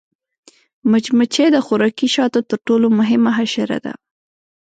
مچمچۍ د خوراکي شاتو تر ټولو مهمه حشره ده